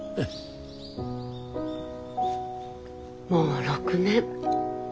もう６年。